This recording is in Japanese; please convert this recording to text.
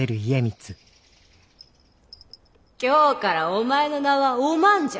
今日からお前の名はお万じゃ。